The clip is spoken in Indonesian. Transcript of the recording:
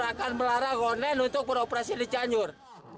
mereka akan melarang online untuk beroperasi di cianjur